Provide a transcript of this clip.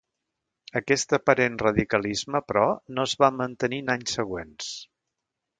Aquest aparent radicalisme, però, no es va mantenir en anys següents.